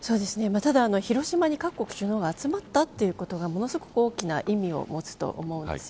広島に各国首脳が集まったということが大きな意味を持つと思います。